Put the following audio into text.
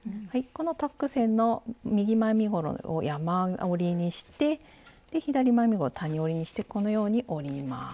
このタック線の右前身ごろを山折りにしてで左前身ごろ谷折りにしてこのように折ります。